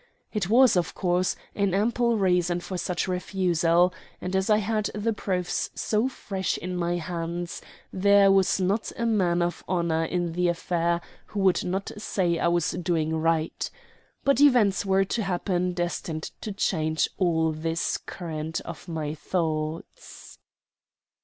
It was, of course, an ample reason for such refusal; and as I had the proofs so fresh in my hands, there was not a man of honor in the affair who would not say I was doing right. But events were to happen destined to change all this current of my thoughts.